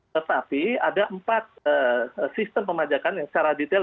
tetapi ada empat sistem pemajakan yang secara detail